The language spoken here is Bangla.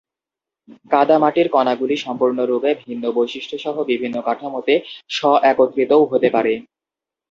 কাদামাটির কণাগুলি সম্পূর্ণরূপে ভিন্ন বৈশিষ্ট্য সহ বিভিন্ন কাঠামোতে স্ব-একত্রিতও হতে পারে।